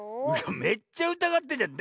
めっちゃうたがってんじゃん。